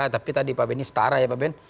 tapi tadi pak benny setara ya pak ben